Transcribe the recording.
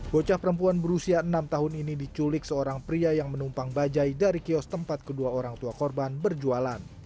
bocah perempuan berusia enam tahun ini diculik seorang pria yang menumpang bajai dari kios tempat kedua orang tua korban berjualan